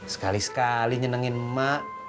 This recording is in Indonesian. sekali sekali nyenengin emak